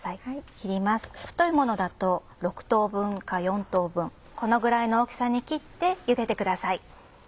切ります太いものだと６等分か４等分このぐらいの大きさに切ってゆでてください。